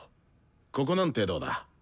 ここなんてどうだ？